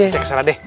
saya kesana deh